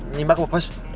nyimak pak bos